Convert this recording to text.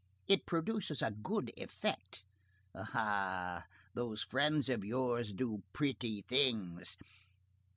It produces a good effect. Ah! those friends of yours do pretty things.